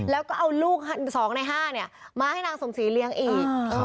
แล้วก็เอาลูก๒ใน๕มาให้นางสมศรีเลี้ยงอีก